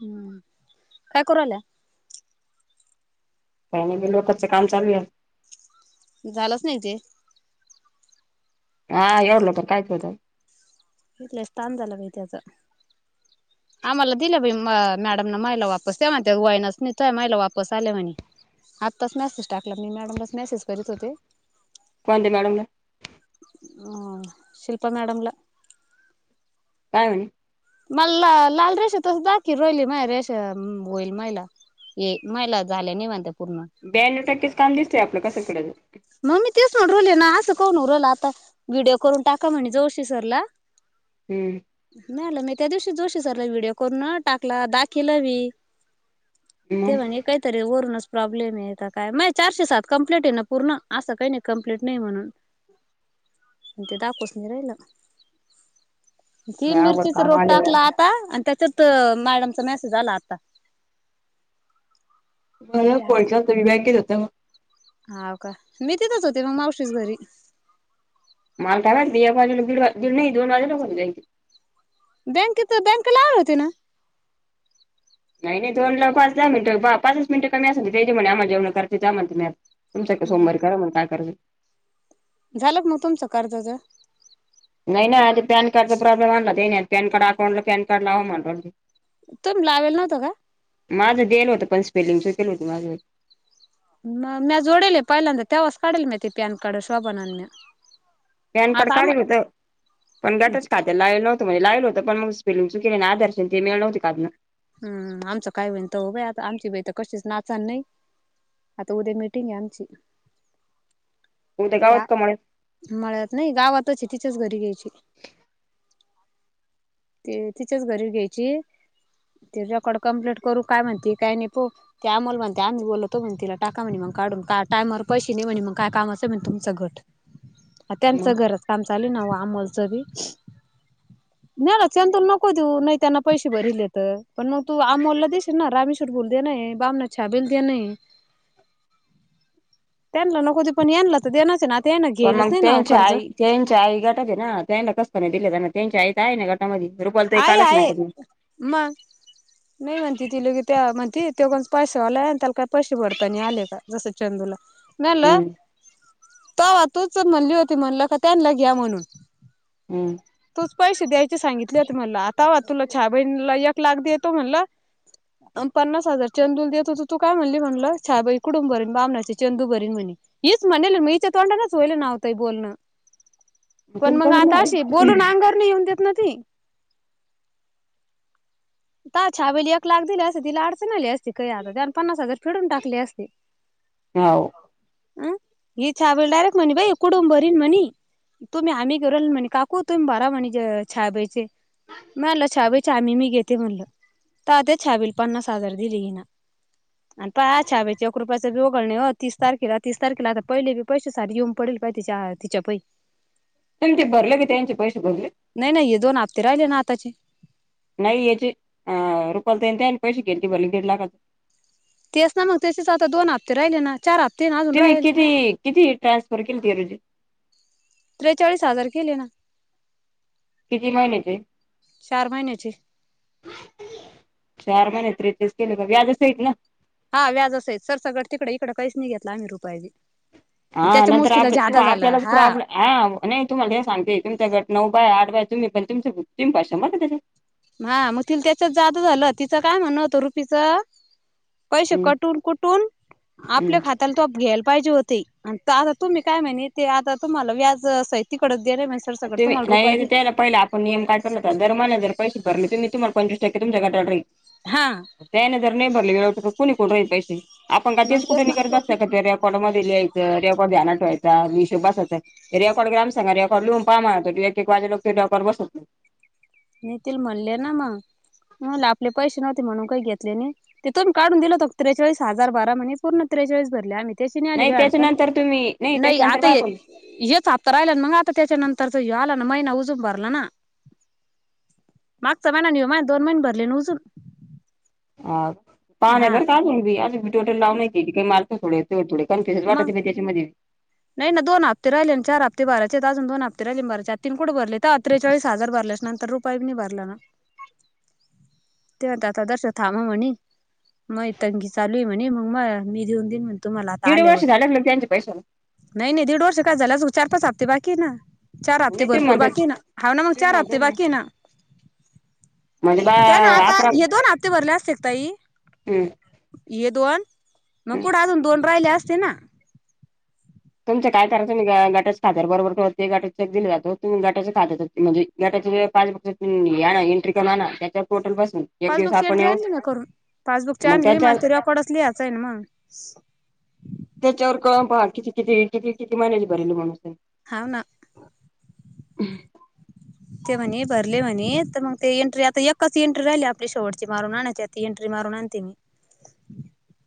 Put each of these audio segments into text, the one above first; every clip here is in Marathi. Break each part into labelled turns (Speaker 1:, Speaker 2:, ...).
Speaker 1: हम्, काय कोरयला
Speaker 2: काही नाही लोकाच काम चालू आहे.
Speaker 1: झालंच नाही ते
Speaker 2: हा एवढारल तर काय कळतंय
Speaker 1: इतल स्थान झाला पा त्याचां आम्हाला दिलं म मॅडम न मायला वापस ते म्हणत वाईनच नाही तरय माहिला वापस आले म्हणे आतास मॅसेज टाकला मी मॅडम बस मेसेज करीत होते.
Speaker 2: कोणते मॅडम ना
Speaker 1: ह शिल्पा मॅडमला.
Speaker 2: काय म्हणे
Speaker 1: मला लाल रेषा तस दाखी रोहिली माय रेषा होईल महिला ये महिला झाल्या नाही म्हणत्यात
Speaker 2: ब्याण्व टक्केच काम दिसत.
Speaker 1: म मी तेच म्हण रले ना करून उरला आता व्हिडिओ करून टाका म्हणे जोशी सरला
Speaker 2: हम्म
Speaker 1: [unintelligible] त्या दिवशी जोशी सरला व्हिडिओ करून टाकला दाखलावी.
Speaker 2: मग
Speaker 1: ते म्हणे काहीतरी वरूनच प्रॉब्लेम आहेेत काय म चारशे सात कंप्लीट आहे ना पूर्ण असं काही नाही कं्प्लीट नाही म्हणून इंत दापशीजरा हलो ती
Speaker 2: लय अवघड
Speaker 1: मिरचीचा
Speaker 2: काम
Speaker 1: रोप
Speaker 2: आलेलं आहे
Speaker 1: टाकला आता आणि त्याच्यात तर मॅडमचा मेसेज आला आता
Speaker 2: मला पोलचा होत वि बॅगेत होत मग
Speaker 1: हाव का मी तिथेच होते मग मावशीच घरी
Speaker 2: मला काय माहित मी एक एक नाही दीड नाही दोन वाजता
Speaker 1: बँकेत बँक लावले होते ना.
Speaker 2: नाही नाही दोन लाव पाच दहा मिनटं पाच मिनिटं कमी अस ना त्याच्यामुळे आम्हा जेवणं करते आ म्हणत तुमच का सोमवारी करा मग काय करायच
Speaker 1: झालं मग तुमचं कर्जाच
Speaker 2: नाही ना आ पॅन कार्डचा प्रॉब्लेम आणला त्याने नाही पॅन कार्ड अकाउंट ला पॅन कार्ड लाव म्हण
Speaker 1: तो लावेल नव्हतो का
Speaker 2: माझं दलं होतं पण स्पेलिंग दिलं होत माझं
Speaker 1: म म्या जोडेल पहिल्यांदा तेव्हाच काढेल मी ते पॅन कार्ड शोभा ना निम्या
Speaker 2: पॅनकड काढल होत पण गटच खात्याला लावला नव्हत म्हण लाहिल होत पण मग स्पेलंग चु के आधारच ते मिळ नवते काून
Speaker 1: हम् आमचं काय बहीण त बा आता आमची बाई तर कशीच नाचाल नई आता उद्या मीटिंग हाय आमची
Speaker 2: उद्या गावात
Speaker 1: त्या
Speaker 2: कमळ
Speaker 1: मळ्यात नाही गावातच तिच्याच घरी घ्यायची ती ते तिच्याच घरी घ्यायची. ते रेकॉड कम्प्लेंट करू काय म्हणती काय नाही, प ते आमोलला म्हणते आम्ही बोललतो म्हण तिला टाका म्हणे काढून. का टामवर पैसे नाही म्हणे मग काय कामाचं म्हणे तुमचं गट अ त्यांचं गरज काम चाली नाव अमोलचं बी नाही ना चंतून नको देऊ नाही त्यांना पैसे भरीले तर पण मग तू आमोलला दिशील ना रामीशट बोल द्या नाही बामना छाबेल देणं हाय.
Speaker 2: [unintelligible]
Speaker 1: त्यांना नको ते यांनाच देणंच आहे. यांना
Speaker 2: पण
Speaker 1: घेईलच
Speaker 2: मग
Speaker 1: नाही ना
Speaker 2: त्यांच्या
Speaker 1: कर्ज
Speaker 2: आई त्यांच्या आई गटात आहे ना त्यांना कस काय दिलं नाही त्यांनी त्यांची आई आहे ना गटामध्ये रुपाल ताई
Speaker 1: आहे
Speaker 2: कालच
Speaker 1: आहे
Speaker 2: म्हणत होती
Speaker 1: म्ह [unintelligible] त्या म्हणती तो काय पैसेवाला आलाय आणि त्याला काही पैसे भरतानी आले का जस चंदूला म्हणलं
Speaker 2: हम्म
Speaker 1: तवा तूच म्हणली होती म्हणलं त्यांना घे म्हणून
Speaker 2: हम्म.
Speaker 1: तूच पैसे द्यायचे सांगितले म्हला आता वा तुला छहा बहिणीला एक लाख देतो म्हणल. अ पन्नास हजार चंदूल देत होत तू काय म्हणली म्हटलं, छबाई कुडून भरीन बामणाची चंदू भरीन म्हणे येच म्हणेल मीच्या तोंडा नाचोयल नावतंय बोलण
Speaker 2: [inaudible]
Speaker 1: पण मग आता अशी बोलून अंगावर येऊन देत ना ती त छ वेली एक लाख दिली असं तिला अडचण आली असती. काही आता त्या पन्नास हजार फिडून टाकले असते.
Speaker 2: हो
Speaker 1: अह ह छवेल डारेक्ट मणी बाई कुडंबरन मनी म्हणी तुम्ही आम्ही गरल म्हणे काकू तुम्ही बराा म्हणे छायाबाईचे मला छाया बाईचा आम्ही मी घेत. म्हणलं ते छाबला पन्नास हजार दिली ही ना, आणि प छायाबाईचा एक रुपया वगळ नाही हो तीस तारखेला तीस तारखेला आता पहिलेी पैसे सार येऊन पडेल काहि तिच्या पायी
Speaker 2: त्यां ते भरले कि त्यांचे पैसे भरले.
Speaker 1: ते रायले ना आताचे
Speaker 2: नाही याचे अ रुपाल ताई आणि पैसे घेत भरले दीड लाखाचे
Speaker 1: तेच ना मग त्याचेच आता दोन हप्ते राहिले ना चार हप्ते ना अजून
Speaker 2: तुम्ही
Speaker 1: राहिल.
Speaker 2: किती किती ट्रान्सफर केली त रुजी
Speaker 1: त्रेचाळीस हजार केले ये ना
Speaker 2: किती महिन्याचे आहे.
Speaker 1: चार महिन्याचे
Speaker 2: चार महिने त्रीपिस केले का व्याजच येत नाही.
Speaker 1: हा व्याज असा आहेच सर सगड तिकडे इकडं काहीच येत नाही घेत आम्ही एक रुपया बी
Speaker 2: हा नंतर
Speaker 1: त्याच्यामुळेच तिला
Speaker 2: आप तू
Speaker 1: जादा झालं
Speaker 2: आपल्यालाच
Speaker 1: हा
Speaker 2: प्रॉब्लेम ह नाही तुम्हाला हे सांगते तुमच्या गट नव्हता आठ बाय आठ बाय तुम्ही पण तुमच तुमही तीनशे पाच नको टाका.
Speaker 1: हा म त त्याच्यात जादू आहे ना तिचं काय म्हणण काय आहे रुपीच पैसे
Speaker 2: हम्म
Speaker 1: कटून कुटून
Speaker 2: हम्म
Speaker 1: आपल्या खात्यालाच्यात घ्यायचे. पाहिजे होते. आणि आता तुम्ही काय म्हणे ते आता तुम्हाला व्याज असं तिकड
Speaker 2: तुम्ही नाही त्याला पहिले आपण नियम पाठवला होता, जर महिने जर पैसे भरले तुम्ही तुम्हाला पंचवीस टक्के तुमच्या घटात राहील,
Speaker 1: हा
Speaker 2: त्याने जर नाही भरले व्यवस्थित कोणी कोण राहील पैसे आपण
Speaker 1: मग
Speaker 2: तेच कुठे
Speaker 1: ना
Speaker 2: निघत असत का आपल व्याज रेकॉड मध्ये मध्ये लिहायचं रेकॉर्ड ध्यानात ठेवायचा मी शोभास बास होत्यात रेकाड ग्रम सगा रेवॉड लुं हा मा तर एक एक वाजे लोक ते टॉकर बसून
Speaker 1: येतील म्हणले ना मग म आपले पैसे नव्हते म्हणून काही घेतले नाही, तेथून काढून दिल होत त्रेचाळीस हजार बारा म्हणून पूर्ण सेहचाळीस भरले आणि त्याची नाही आली ग अडचण
Speaker 2: त्याच्यानंतर तुम्ही
Speaker 1: नाही ग
Speaker 2: त्याच्यानंतर
Speaker 1: आता
Speaker 2: काय करू
Speaker 1: येते, आत्ता राहिला मग आता त्याच्यानंतर तर तो यायला ना महिना उजून भरला ना मागचा महिना न हो मा दोन महिने भरले न उजून
Speaker 2: हा पान आहे
Speaker 1: हा
Speaker 2: पर अजून टोटे लावलेत की काही अजूध मारत थोडे थोडे कनफ वाटात
Speaker 1: मग
Speaker 2: पण नाही त्याच्यामध्ये
Speaker 1: नाही ना दो हफ्ते राहिले चार हफ्ते बारा भरायचे आहेत अजून दो हफ्ते राहिले भरायचे राहिले बरच्या तीन कुठे भरले तर त्रेचाळी हजार भरले नंतर रुपया नाही निभारला ना
Speaker 2: ताई
Speaker 1: तेता आता दर्शन थांबून म्हणे नाही तंगी चालू आहे म्हणे मग मग मी देऊन दिन म्हणीन
Speaker 2: दीड वर्ष झाल त्यांच्या पैशाला
Speaker 1: नाही नाही दीड वर्ष काय झालंच चार पाच हफ्ते अजून बाकी आहे ना चार हफ्ते
Speaker 2: नाही तुम्ही
Speaker 1: भरपूर
Speaker 2: म्हणता
Speaker 1: बाकी आहेना ह ना मग
Speaker 2: तुम्ही
Speaker 1: चार
Speaker 2: म्हणता
Speaker 1: हफ्ते बाकी आहेना
Speaker 2: म्हणजे बा
Speaker 1: त्या ना आता
Speaker 2: अकरा
Speaker 1: हे दोन हप्ते भरले असते ताई
Speaker 2: हम्म
Speaker 1: ये दोन मग
Speaker 2: हम्म
Speaker 1: पुढे अजून दोन हफ्ते राहिले असते ना
Speaker 2: तुमच्या काय करायच वेगळ गाटच्या खात्या बरोबर ते गाट दि जातो ही गाट्याच्या खा म्हणजे तुम्ही पासबुकची एट्री करा ना त्याच्या पोर्टलवर बसतो
Speaker 1: पासबुकची एंट्री आणली ना करून पासबुकची
Speaker 2: मग
Speaker 1: आणली
Speaker 2: त्याच्या
Speaker 1: मला त रेकॉर्डात लिहायचं म्हणून
Speaker 2: त्याच्यावर करून पहा किती किती किती किती महिनेज भरले म्हणून
Speaker 1: हावना ना
Speaker 2: हम म्
Speaker 1: ते म्हणे भरले म्हणे तर मग ते एंट्री आता एकच एंट्री राहिली आपली शेवटची मारून आणाची एंट्री मारून मरणार त्या नी
Speaker 2: काय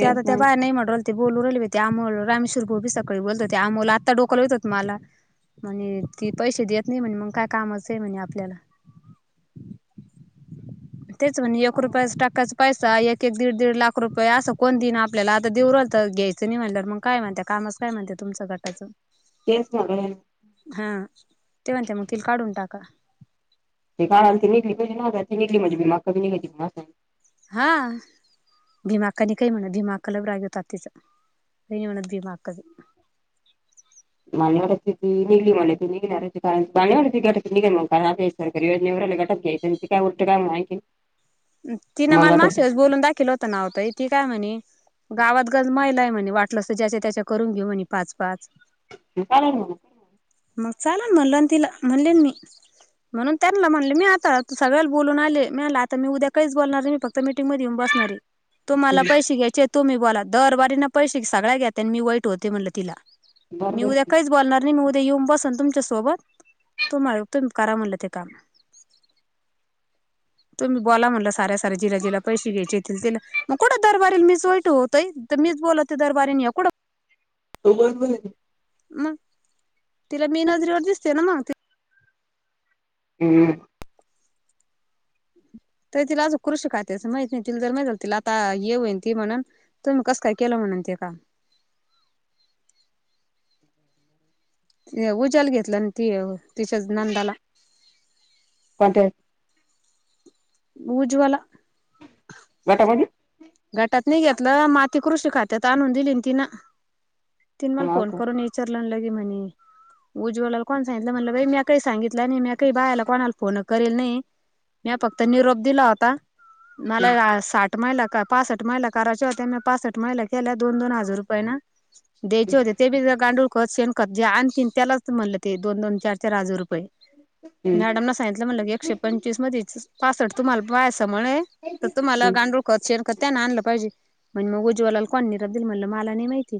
Speaker 1: ते आता त्या बाहेर नाही म्हटलं ते बोलून राहिलले होते आमोल रामेश्वर भुसावळ सकाळी बोलत होते आमोल आता डोक लय मारला मला हम् ती पैसे देत नाही म्हणे मग काय कामचं आहे म्हणे आपल्याला तेच म्हणे एक
Speaker 2: मग
Speaker 1: रुपया टाकायच पैसा एक एक दीड दीड लाख रुपये असं कोण देईन आपल्याला आता देऊल तर घ्यायचं नाही म्हटल्या मग काय म्हणत का नसत म्हणतात तुमच्या गटाचं
Speaker 2: तेच बघणार
Speaker 1: हा ते म्हणतील मग ते काढून टाका
Speaker 2: ते काळ त निघली ना ती निघली म्हणे भी माी निघली
Speaker 1: हा भीमाकानी काही म्हणत भीमाकाला राग होत आ तिचं काही नाही म्हणत भीमाक
Speaker 2: मावाड ती निघली मला ती निघणारण मावा गट निघेल म कारण आ सरेवला ्या काय उरतेंय म्ह
Speaker 1: ति ना मला मागसेच बोलून दाखल होत नावतंय ती काय म्हणे गावात ग महिला आहे म्हणे वाटलं ज्याच्या त्याच्या करून घेऊ आणि पाच पाच
Speaker 2: काल
Speaker 1: मग चाल म्हणल आणि तिला म्हणलेन मी म्हणून त्यांना म्हणले मी आता सगळ्याला बोलून आले मीला आता मी उद्या काही बोलणार आहे मी फक्त मटिंग मध्ये येऊन बसणार आहे तु मला पैसे घ्यायचे तुम्ही बोला दरवारी ना पैसे सगळ्या घ्याता आणि मी वाईट होते म्हटलं तिला मी
Speaker 2: बरोबर
Speaker 1: उद्या
Speaker 2: आहे.
Speaker 1: काहीच बोलणार नाही मी उद येऊन बसन तुमच्या सोबत तुमला तुम्ही करा म्हणलं ते काम तुम्ही बोला म्हणला साऱ्या सऱ्या जिला जिला पैसे घ्यायचेतील तिला मग कुठं दरवारीला मीच वाईट होतोय मीच बोलतते दरवाारीने कुठं
Speaker 2: तम
Speaker 1: मग तिला मी नजरेवर दिसते ना मग
Speaker 2: हम् [unintelligible]
Speaker 1: तर तिला आज कृषी खाते अस माहित नाही तिला जर माहित तिला आता येऊईन ती म्हणून तुम्ही कस काय केलं म्हण ज का [inaudible]
Speaker 2: [inaudible]
Speaker 1: उज्याल घेतलं ती तिच्या नंदाला
Speaker 2: वाटे
Speaker 1: उज्वला
Speaker 2: घट म्हज
Speaker 1: गटात नाही घेतलं माती कृषी खात्यात आणून दिली ना ति ना तिन मला
Speaker 2: हाव
Speaker 1: फोन
Speaker 2: का
Speaker 1: करून विचारलान लगे म्हणे उज्ज्वला कोण सांगितलं म्हणलं बाई म्या काही सांगित ल्याने म्या काही बाहायला कोणाला फोन करेल नाही म्या फक्त निरोप दिला होता. ना साठ महिला का पासष्ट महिला काररााच्या होते पासष्ट महिला केल्या दोन दोन हजार रुपये ना द्यायचे होते ते बी गांडूळ खत शेणखत जे आणतील त्यालाच म्हणलं ते दोन दोन चार चार हजार रुपये पय
Speaker 2: हम्म
Speaker 1: मॅडमना सांगितलं म्हटलं की एकशे पंचवीस मध्ये पासष्ट तुम्हाला बायस म्ह तर तुम्हाला
Speaker 2: हम्म
Speaker 1: गा ोखत शेरकत त्याना आणलं पाहिजे म्हण मग उज्वला कोणरा दिली म्हणलं मला नाही माहिती,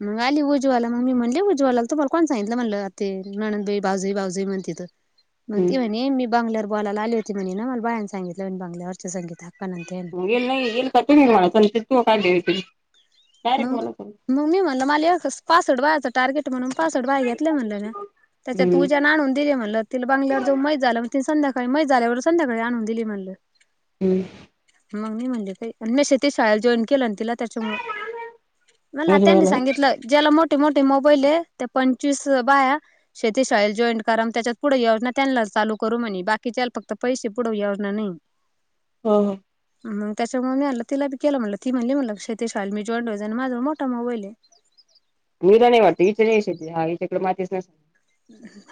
Speaker 1: मग आली उज्वाला मग मी म्हणले उजवाला त मला कोण सांगितलं म्हटलं ते नणंदबाई बावजई बावज म्हण तिथं मग
Speaker 2: हम्म
Speaker 1: तेी म्हणे मी बांल्यावर बोय आली होती म्हणे ना मला बायां सांगितलं बांल्यावरच्या संांगित
Speaker 2: येल नाही येईल का तू् मा तू काय दे त
Speaker 1: मग मग मी म्हणल मला पासवड बायाचं टार्गेट म्हणून पासवड बाय घेतले म्हणले ना त्याच्यात
Speaker 2: हम्म
Speaker 1: तूझ्या ना आणून दिले म्हटलं तिला बंगल्यावर जो मजत झालं मग त संध्याका काही मजत झाल्यावर संध्याकाळी आणून दिली म्हणलं.
Speaker 2: हम्म
Speaker 1: मग मी म्हणले का आणि मी शेती शाळला जॉईन केलं ना तला त्याच्यामुळ मला त्यांनी
Speaker 2: मजमला हो
Speaker 1: सांगितलं ज्याला मोठ मोठे मोठे मोबाईल त्या पंचवीस बाया शेतीशाळेेत जॉईन करा त्याच्यात पुढे योजना त्यांनाच चालू करू म्हणे बाकीच्या फक्त पैसे पुढवजना नाही.
Speaker 2: ह
Speaker 1: हम चच्या मनेेला त लभिकल मत त मल्या मक्ष शमी जॉडोज आणि माझा मोठा मोबाईल आहे. [unintelligible]
Speaker 2: मी तर नाही वाटत इच नाही हा इच्याकड [unintelligible] डे मातीच न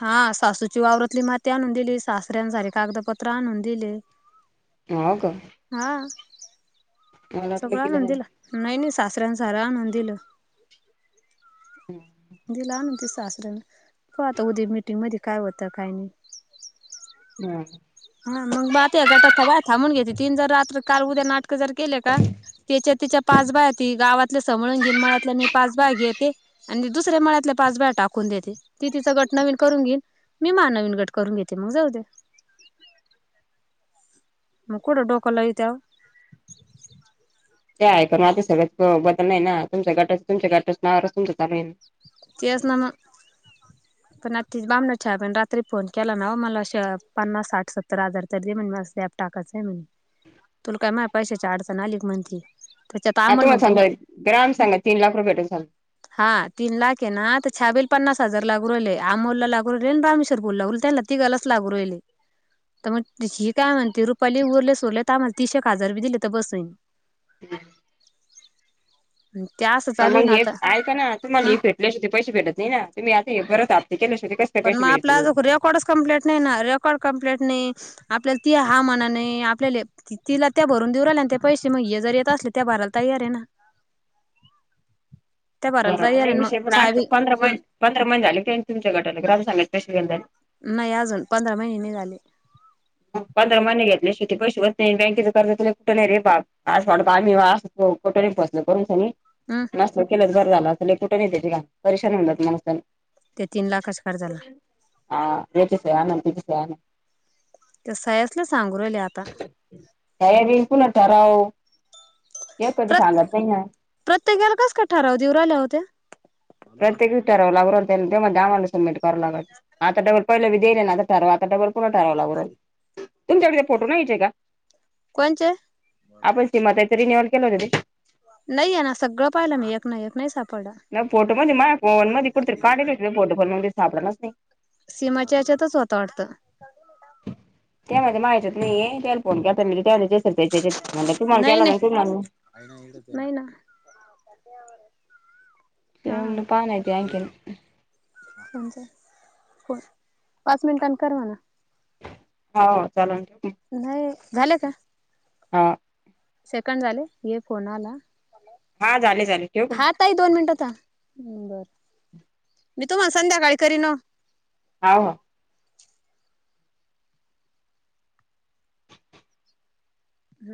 Speaker 1: हा सासूची वावरातली माती आणून दिली, सासऱ्यांसारे कागदपत्र आणून दिले.
Speaker 2: हो, का?
Speaker 1: हा
Speaker 2: मला वाटलं
Speaker 1: सगळं
Speaker 2: की
Speaker 1: आणून
Speaker 2: लग्न
Speaker 1: दिला नाही, नाही. सासऱ्यांन सारा आणून दिलं.
Speaker 2: हम्.
Speaker 1: दिला आणून सासर्यान, आता उद्या मिीटिंग मध्ये काय होतं काय नाही.
Speaker 2: हम.
Speaker 1: हा मग बह गट थय थांबून घेते तीन जर रात्र काल उद्या नाटक [unintelligible] ार केले का त्याच्या तिच्या पाच बाया त गावातल्या समळून घीन माळ्यातले मी पाच बाय [unintelligible] घे ते आणि दुसऱ्या मळ्यातल्या पाच ब्या टाकून देते, ती तिचां गट नवीन करून घेईन. मी माज नवीन गट करून घेते मग जाऊ दे. मुकुट उडोकलयतव [unintelligible]
Speaker 2: ते आहेत, आता सगळ्याच बदल नाही ना तुमच्या गटाच तुमच्या गटाचं नाव र तमचं चालू आहेल.
Speaker 1: ति बामना छ आपण रात्री फोन केला ना मला अस पन्नास साठ सत्तर हजार तररी दे म्हण म लॅब टाकाच [unintelligible] म्हणे तुला काय म पैशाच्या अडचण आलीकी म्हणती. त्याच्यात
Speaker 2: आ
Speaker 1: अमोल
Speaker 2: तुम्हाला
Speaker 1: म्हणतो
Speaker 2: सांगतो
Speaker 1: मी
Speaker 2: ग्राम सांगा तीन लाख रुपये भेटल सांगा.
Speaker 1: हा तीन ला [unintelligible] आता [unintelligible] पन्नास हजार लागू राहिले, अमोल लागू राहिले आणि [unintelligible] त्यांना तिघांनाच लागू राहिले. [unintelligible] तर मग ही काय? म्हणते, रुपाली उरल्या सोरल्या तमल हजार रुपये दिले तर बसयं
Speaker 2: [unintelligible]
Speaker 1: ते असं
Speaker 2: तर
Speaker 1: चालू आहे
Speaker 2: मग
Speaker 1: ना
Speaker 2: हे
Speaker 1: आता
Speaker 2: ऐ का, ना
Speaker 1: हं
Speaker 2: तुम्हाला हे भेटल्या शिवाय त पैसे भेटत ना ही, ना तुम्ही आता हे परत केल्याशिवाय ते कस काय
Speaker 1: पण
Speaker 2: पैसे
Speaker 1: मग आपला
Speaker 2: भेटतील.
Speaker 1: अज रेकॉर्डच कम्प्लेट नाही ना, रेकॉर्ड कम्प्लेट नाही आपल्याला ती हा मनाने, आपल्या तिला त्या भरून देऊ राहिल्या, ते पैसे मग हे जर येत असले त्या भर [unintelligible]
Speaker 2: [inaudible]
Speaker 1: त्या
Speaker 2: बर
Speaker 1: भरायला तयार आहे मग
Speaker 2: विषय पण आठ
Speaker 1: छावी
Speaker 2: पंधरा
Speaker 1: हम्
Speaker 2: महिन- पंधरा महिन झाले, का तुमच्या गटाला ग्रामसंघातली
Speaker 1: नाही, अजून पंधरा महिने नाई झाले.
Speaker 2: पंधरा महिने घेतले, शेती पैसे होत नाही बँकेच कर्ज कुठ नाही? [unintelligible] [unintelligible]
Speaker 1: हम्
Speaker 2: नसत केलंच बरं झालं, अस कुठे? [unintelligible] परशानी होऊ, जात
Speaker 1: ते तीन लाखाच्या कर्जाला
Speaker 2: मग [unintelligible]
Speaker 1: [unintelligible] सांगू राहिले, आता
Speaker 2: तयारी पुन्हा ठराव. ते कधी
Speaker 1: प्रत्य
Speaker 2: सांगत नाही ना
Speaker 1: प्रत्येकाला कस काय ठराव, देउ राहील्या त्या?
Speaker 2: प्रत्येकच ठरावला तेव्हा ते म्हणत आम्हाला समीट करू नका लागत आता पहि दे ना आता ठरवा, आता डबल पुन्हा ठरवला ब तुमच्याकडे ते फोटो नाहीयचे का?
Speaker 1: कोणचे
Speaker 2: आपण सीमा ताई तरी [unintelligible] केलं होत, ते.
Speaker 1: नाही आहे ना सगळं पाहिलं मी एक ना एक नाही सापडला
Speaker 2: नाही फोटो मध्ये मझ फोन मध्ये कुठतरी काढ फोटो फोन मध्ये सापडणारच नाही.
Speaker 1: सीमाच्या याच्यातच होता वाटत?
Speaker 2: त्यामध्ये माहतीच नाहीे, त्याला फोन कर त्या [unintelligible] तुम्हाला
Speaker 1: नाही
Speaker 2: केला.
Speaker 1: नाही नाही ना हा कोणच
Speaker 2: [unintelligible]
Speaker 1: पाच मिनिटने करना?
Speaker 2: हो, [unintelligible]
Speaker 1: नाही झाले का
Speaker 2: हा
Speaker 1: सेकंड झाले ये फोनला.
Speaker 2: हा झाले, झाले ठेव.
Speaker 1: [unintelligible] बरं.
Speaker 2: [inaudible]
Speaker 1: मी तुम्हाला, संध्याकाळी करीन. ओ.
Speaker 2: [unintelligible]